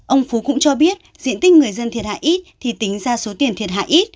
ông phú cũng cho biết diện tích người dân thiệt hại ít thì tính ra số tiền thiệt hại ít